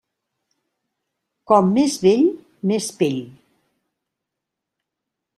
Com més vell, més pell.